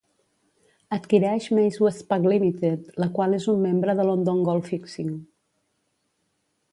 Adquireix Mase Westpac Limited, la qual és un membre de London Gold Fixing.